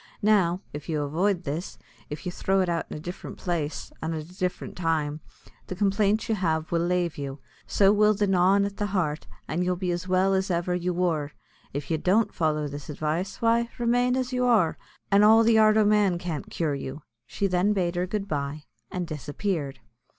Now, if you avoid this, if you throw it out in a different place, an' at a different time, the complaint you have will lave you: so will the gnawin' at the heart; an' you'll be as well as ever you wor. If you don't follow this advice, why, remain as you are, an' all the art o' man can't cure you." She then bade her good bye, and disappeared.